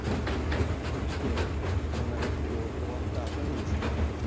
そしてかんなが研ぎ終わったあとにですね